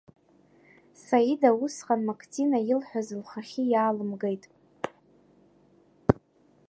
Саида усҟан Мактина илҳәаз лхахьы иаалымгеит.